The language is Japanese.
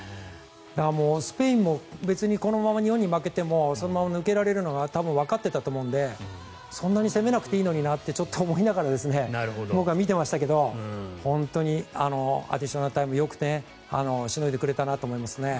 スペインも別にこのまま日本に負けてもそのまま抜けられるのが多分わかっていたと思うのでそんなに攻めなくていいのになとちょっと思いながら僕は見てましたけど本当にアディショナルタイムよくしのいでくれたなと思いますね。